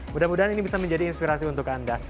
mudah mudahan ini bisa menjadi inspirasi untuk anda